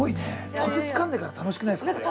コツつかんでから楽しくないですか、これ。